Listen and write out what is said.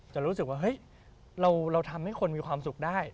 จะรู้สึกว่าเฮ้ยเราทำให้คนมีความสุขได้